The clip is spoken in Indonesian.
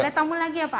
oh ada tamu lagi ya pak